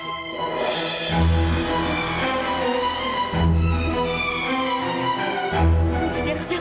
masa itu evita menangis